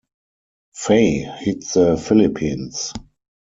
Faye hit the Philippines.